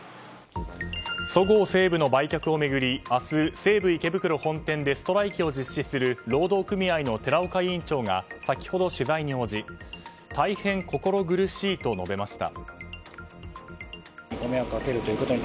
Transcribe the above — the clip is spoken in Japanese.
そごう・西武の売却を巡り明日、西武池袋本店でストライキを実施する労働組合の寺岡委員長が先ほど、取材に応じ大変心苦しいと述べました。